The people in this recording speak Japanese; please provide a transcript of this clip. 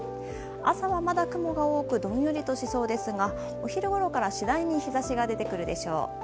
朝はまだ雲が多くどんよりとしそうですがお昼ごろから次第に日差しが出てくるでしょう。